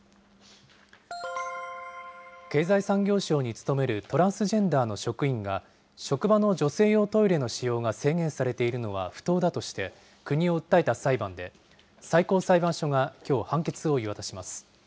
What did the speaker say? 経済産業省に勤めるトランスジェンダーの職員が、職場の女性用トイレの使用が制限されているのは不当だとして国を訴えた裁判で、最高裁判所がきょう判決を言い渡します。